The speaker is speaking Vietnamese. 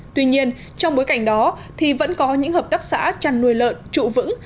tuy nhiên trong bối cảnh đó thì vẫn có những hợp tác xã chăn nuôi lợn trụ vững